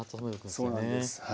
そうなんです。